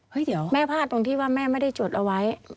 เดี๋ยวแม่พลาดตรงที่ว่าแม่ไม่ได้จดเอาไว้